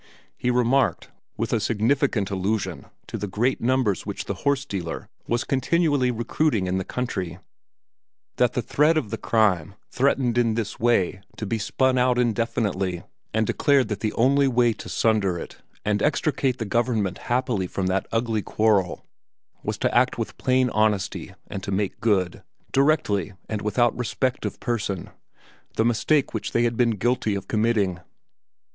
He remarked, with a significant allusion to the great numbers which the horse dealer was continually recruiting in the country, that the thread of the crime threatened in this way to be spun out indefinitely, and declared that the only way to sunder it and extricate the government happily from that ugly quarrel was to act with plain honesty and to make good, directly and without respect of person, the mistake which they had been guilty of committing.